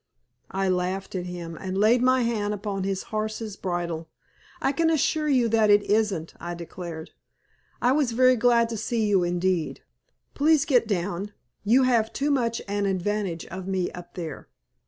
I laughed at him, and laid my hand upon his horse's bridle. "I can assure you that it isn't," I declared. "I was very glad to see you indeed. Please get down, you have too much an advantage of me up there."